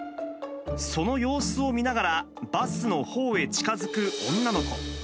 その様子を見ながら、バスのほうへ近づく女の子。